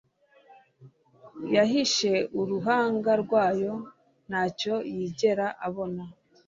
yahishe uruhanga rwayo, nta cyo yigera ibona